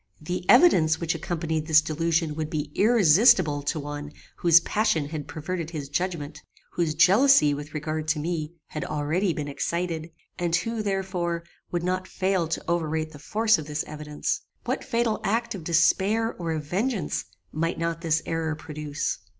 The evidence which accompanied this delusion would be irresistible to one whose passion had perverted his judgment, whose jealousy with regard to me had already been excited, and who, therefore, would not fail to overrate the force of this evidence. What fatal act of despair or of vengeance might not this error produce?